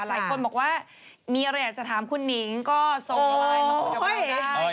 หลายคนบอกว่ามีอะไรอยากจะถามคุณหนิงก็ส่งไลน์มาคุยกับใคร